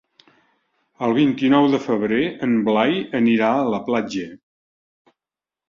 El vint-i-nou de febrer en Blai anirà a la platja.